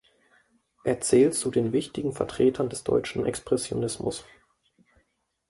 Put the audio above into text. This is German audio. Er zählt zu den wichtigen Vertretern des deutschen Expressionismus.